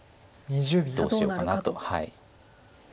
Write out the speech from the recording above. どうしようかなと。